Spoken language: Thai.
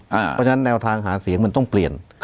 เพราะฉะนั้นแนวทางหาเสียงมันต้องเปลี่ยน